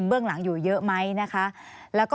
มีความรู้สึกว่ามีความรู้สึกว่า